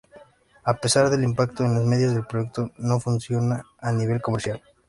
A pesar del impacto en los medios, el proyecto no funciona a nivel comercial.